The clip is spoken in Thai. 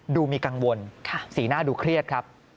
ดูมีกังวลสีหน้าดูเครียดครับ